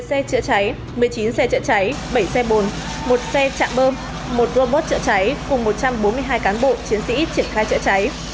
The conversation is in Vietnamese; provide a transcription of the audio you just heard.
một mươi xe trợ cháy một mươi chín xe trợ cháy bảy xe bồn một xe chạm bơm một robot trợ cháy cùng một trăm bốn mươi hai cán bộ chiến sĩ triển khai trợ cháy